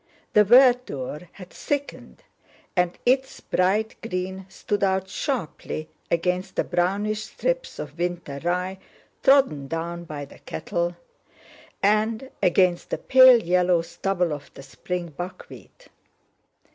The verdure had thickened and its bright green stood out sharply against the brownish strips of winter rye trodden down by the cattle, and against the pale yellow stubble of the spring buckwheat.